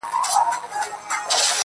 د ښار په جوارگرو باندي واوښتلې گراني ,